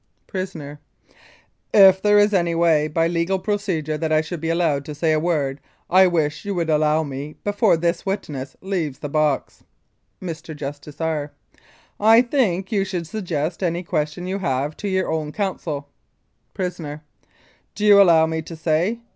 PRISONER : If there was any way, by legal procedure, that I should be allowed to say a word, I wish you would allow me before this witness leaves the box. Mr. JUSTICE R. : I think you should suggest any question you have to your own counsel. PRISONER: Do you allow me to say?